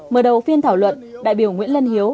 mở đầu phiên thảo luận đại biểu nguyễn lân hiếu